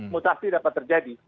mutasi dapat terjadi